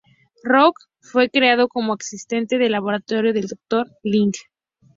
Rock fue creado como asistente de laboratorio del Dr. Light.